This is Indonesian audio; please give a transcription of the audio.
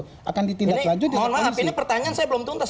mohon maaf ini pertanyaan saya belum tuntas